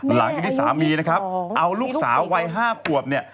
หลังจากที่สามีนะครับเอาลูกสาววัย๕ขวบเนี่ย